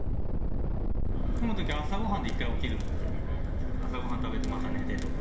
ホームのときは、朝ごはんで一回起きるので、朝ごはん食べて、また寝てとか。